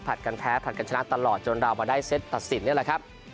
กันแพ้ผลัดกันชนะตลอดจนเรามาได้เซตตัดสินนี่แหละครับ